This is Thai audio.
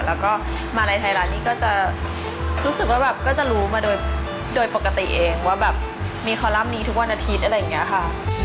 แล้วก็มารัยไทยรักนี่ก็จะรู้มาโดยปกติเองว่ามีคอลัมน์นี้ทุกวันอาทิตย์อะไรอย่างนี้ค่ะ